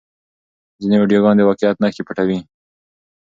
ځینې ویډیوګانې د واقعیت نښې پټوي.